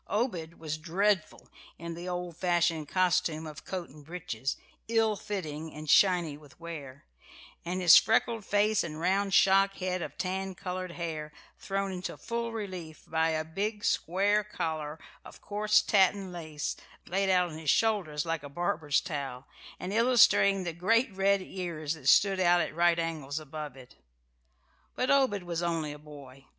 Obed was dreadful in the old fashioned costume of coat and breeches, ill fitting and shiny with wear, and his freckled face and round shock head of tan coloured hair thrown into full relief by a big, square collar of coarse tatten lace laid out on his shoulders like a barber's towel, and illustrating the great red ears that stood out at right angles above it. But Obed was only a boy.